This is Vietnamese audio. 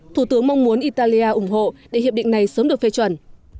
thủ tướng mong muốn italia ủng hộ để hiệp định này sớm được phê chuẩn